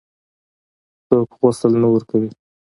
څوک غسل نه ورکوي.